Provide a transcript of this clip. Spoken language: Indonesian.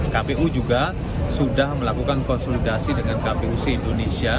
kpu juga sudah melakukan konsolidasi dengan kpuc indonesia